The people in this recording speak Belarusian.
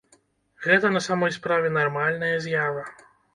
Гэта на самай справе нармальная з'ява.